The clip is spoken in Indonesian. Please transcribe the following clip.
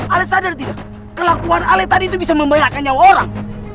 alih sadar tidak kelakuan alih tadi itu bisa membayangkan nyawa orang